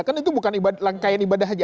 kan itu bukan langkah yang ibadah haji